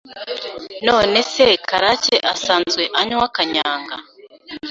None se Karake asanzwe anywa kanyanga